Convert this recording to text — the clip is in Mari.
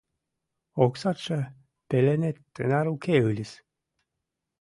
— Оксатше пеленет тынар уке ыльыс.